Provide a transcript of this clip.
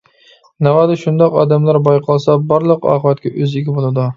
ناۋادا شۇنداق ئادەملەر بايقالسا بارلىق ئاقىۋەتكە ئۆزى ئىگە بولىدۇ.